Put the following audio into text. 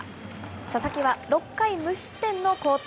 佐々木は６回無失点の好投。